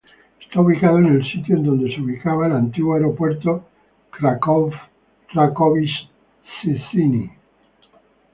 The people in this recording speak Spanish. Está ubicado en el sitio en donde se ubicaba el antiguo aeropuerto Kraków-Rakowice-Czyżyny.